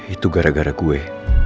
itu gara gara gue